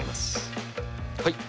はい。